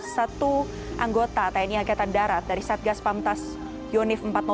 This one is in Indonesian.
satu anggota tni angkatan darat dari satgas pamtas yonif empat ratus dua